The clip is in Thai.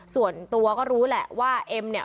ส่วนตัวก็รู้แหละว่าเอ็มเนี่ย